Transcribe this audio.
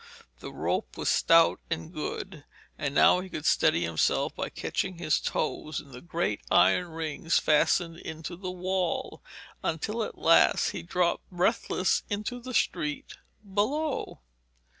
The rope was stout and good, and now he could steady himself by catching his toes in the great iron rings fastened into the wall, until at last he dropped breathless into the street below.